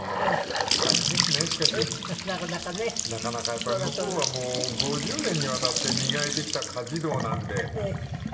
やっぱり向こうはもう５０年に渡って磨いてきた家事道なんで。